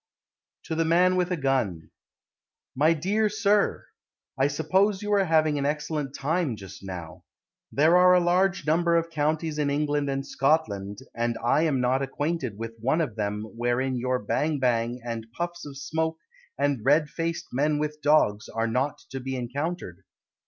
TO THE MAN WITH A GUN My dear Sir, I suppose you are having an excellent time just now. There are a large number of counties In England and Scotland, And I am not acquainted with one of them Wherein your bang bang And puffs of smoke And red faced men with dogs Are not to be encountered.